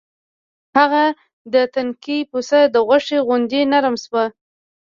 هغه د تنکي پسه د غوښې غوندې نرم شو.